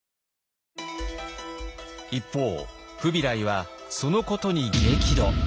一方フビライはそのことに激怒。